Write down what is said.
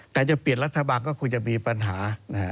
แต่จะเปลี่ยนรัฐบาลก็คงจะมีปัญหา